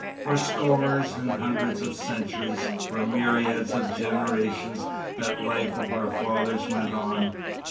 For scores and hundreds of centuries, for myriads of generations that life of our fathers went on.